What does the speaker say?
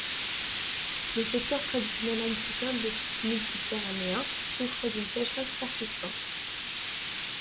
Le secteur traditionnel agricole de type méditerranéen souffre d'une sécheresse persistante.